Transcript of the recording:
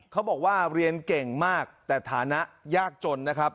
เขาบอกว่าเรียนเก่งมากแต่ฐานะยากจนนะครับ